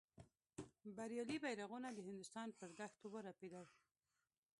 بریالي بیرغونه د هندوستان پر دښتونو ورپېدل.